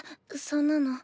そんなの。